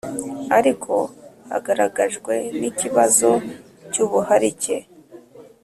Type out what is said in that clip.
ariko hagaragajwe n ikibazo cy’ubuharike